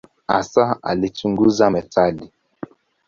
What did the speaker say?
Hasa alichunguza metali.